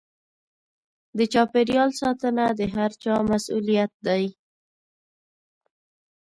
د چاپېريال ساتنه د هر چا مسووليت دی.